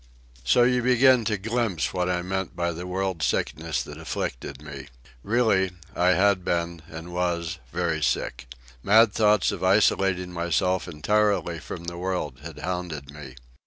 So you begin to glimpse what I mean by the world sickness that afflicted me. Really, I had been, and was, very sick. Mad thoughts of isolating myself entirely from the world had hounded me.